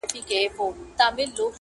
دا ارزانه افغانان چي سره ګران سي,